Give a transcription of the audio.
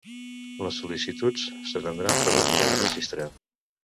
Les sol·licituds s’atendran per ordre de registre.